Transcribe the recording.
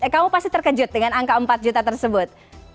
kamu pasti terkejut dengan angka empat juta tersebut